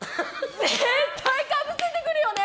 絶対かぶせてくるよね！？